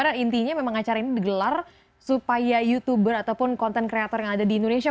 dan intinya memang acara ini digelar supaya youtuber ataupun konten kreator yang ada di indonesia